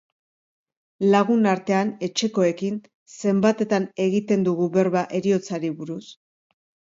Lagun artean, etxekoekin, zenbatetan egiten dugu berba heriotzari buruz?